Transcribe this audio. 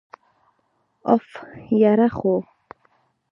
أف، یره خو!!